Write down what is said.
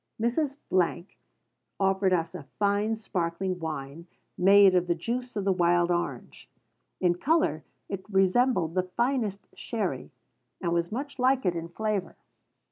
Mrs. offered us a fine sparkling wine made of the juice of the wild orange. In color it resembled the finest sherry, and was much like it in flavor.